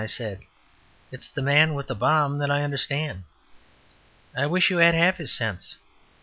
I said; "it's the man with the bomb that I understand! I wish you had half his sense.